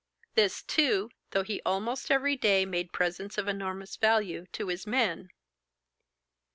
This, too, though he almost every day made presents of enormous value to his men.